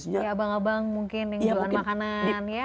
ya abang abang mungkin yang jualan makanan ya